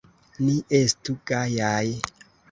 Ni estu gajaj!